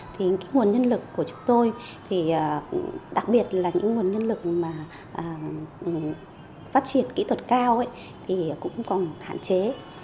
thì nguồn nhân lực của chúng tôi đặc biệt là những nguồn nhân lực phát triển kỹ thuật cao thì cũng còn hạn chế